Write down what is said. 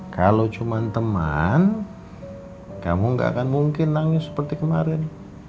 kalo cuman temen kamu gak akan mungkin nangis seperti kemarin